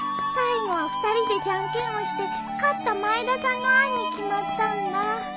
最後は２人でじゃんけんをして勝った前田さんの案に決まったんだ。